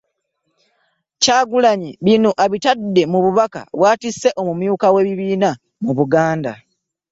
Kyagulanyi bino abitadde mu bubaka bw'atisse omumyuka w'ekibiina mu Buganda